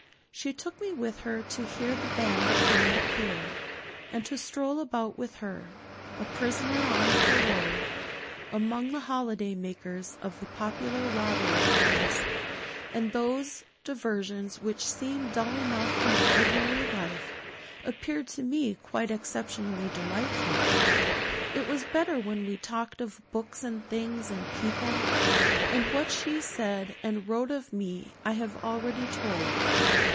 She took me with her to hear the band upon the pier, and to stroll about with her, a prisoner on parole, among the holiday makers of the popular watering place; and those diversions, which seem dull enough in ordinary life, appeared to me quite exceptionally delightful. It was better when we talked of books and things and people; and what she said and wrote of me I have already told.